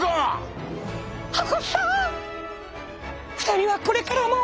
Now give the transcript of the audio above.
２人はこれからも」。